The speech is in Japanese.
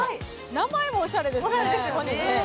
名前もおしゃれですね。